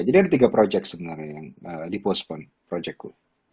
jadi ada tiga project sebenarnya yang dipostpone project ku